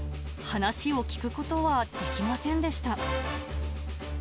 話を聞くことはできませんでした。